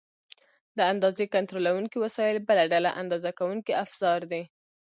د اندازې کنټرولونکي وسایل بله ډله اندازه کوونکي افزار دي.